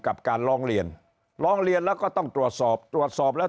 กับการร้องเรียนร้องเรียนแล้วก็ต้องตรวจสอบตรวจสอบแล้ว